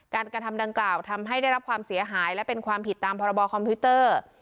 กระทำดังกล่าวทำให้ได้รับความเสียหายและเป็นความผิดตามพรบคอมพิวเตอร์